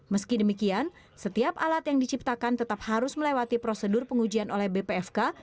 meski demikian setiap alat yang diciptakan tetap harus melewati prosedur pengujian oleh bpfk